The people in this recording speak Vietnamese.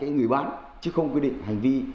người bán chứ không quy định hành vi